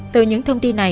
từ những thông tin này